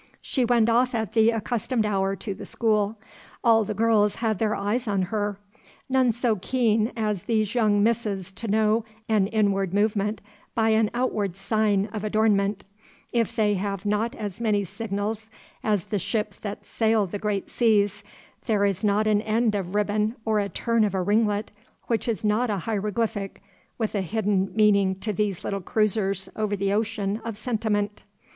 She went off at the accustomed hour to the school. All the girls had their eyes on her. None so keen as these young misses to know an inward movement by an outward sign of adornment: if they have not as many signals as the ships that sail the great seas, there is not an end of ribbon or a turn of a ringlet which is not a hieroglyphic with a hidden meaning to these little cruisers over the ocean of sentiment.